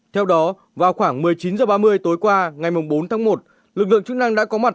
theo đó vào khoảng một mươi chín h ba mươi tối qua ngày bốn tháng một lực lượng chức năng đã có mặt